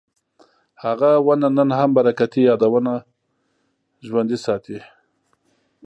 هغه ونه نن هم برکتي یادونه ژوندي ساتي.